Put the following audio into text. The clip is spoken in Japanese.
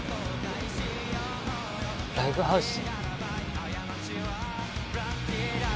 ライブハウス？